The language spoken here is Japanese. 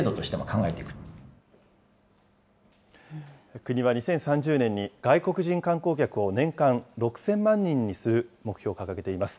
国は２０３０年に外国人観光客を年間６０００万人にする目標を掲げています。